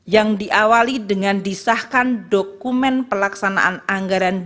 yang diawali dengan disahkan dokumen pelaksanaan anggaran